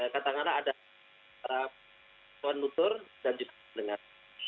karena orang nutur dan juga dengan